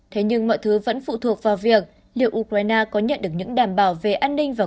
thế nhưng mọi thứ vẫn phụ thuộc vào việc liệu liệu ukraine có nhận được những đảm bảo về an ninh và